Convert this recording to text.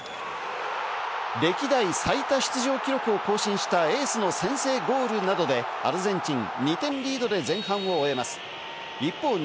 歴代最多出場記録を更新したエースの先制ゴールなどでアルゼンチン２点リードで前半を終えます。